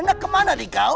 nak kemana dikau